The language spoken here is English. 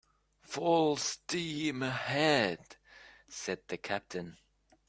"Full steam ahead," said the captain.